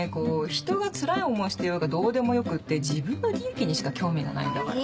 ひとがつらい思いしてようがどうでもよくって自分の利益にしか興味がないんだから。